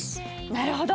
なるほど。